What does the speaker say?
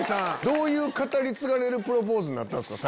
どういう語り継がれるプロポーズになったんすか？